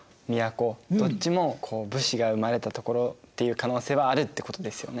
どっちも武士が生まれた所っていう可能性はあるってことですよね？